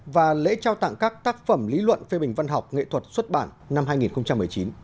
và lễ trao tặng các tác phẩm lý luận phê bình văn học nghệ thuật xuất bản năm hai nghìn một mươi chín